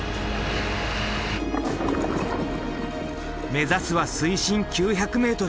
目指すは水深９００ｍ。